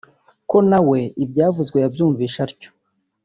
ko nawe ibyavuzwe yabyumvise atyo